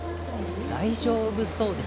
大丈夫そうです。